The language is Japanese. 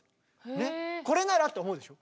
ねっこれならって思うでしょ。